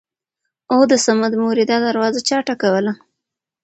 اوو د صمد مورې دا دروازه چا ټکوله!!